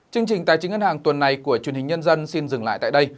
chương trình tài chính ngân hàng tuần này của truyền hình nhân dân xin dừng lại tại đây